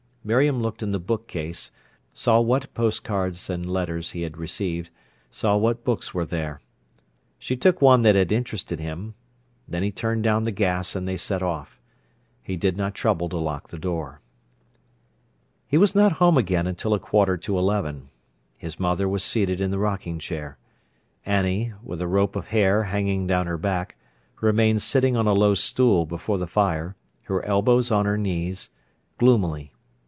Miriam looked in the bookcase, saw what postcards and letters he had received, saw what books were there. She took one that had interested him. Then he turned down the gas and they set off. He did not trouble to lock the door. He was not home again until a quarter to eleven. His mother was seated in the rocking chair. Annie, with a rope of hair hanging down her back, remained sitting on a low stool before the fire, her elbows on her knees, gloomily.